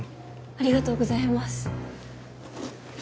ありがとうございます。